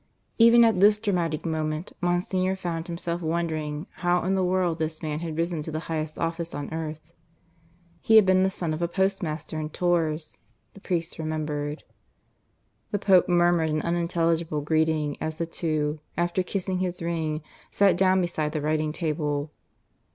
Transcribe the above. Even at this dramatic moment Monsignor found himself wondering how in the world this man had risen to the highest office on earth. (He had been the son of a postmaster in Tours, the priest remembered.) The Pope murmured an unintelligible greeting as the two, after kissing his ring, sat down beside the writing table.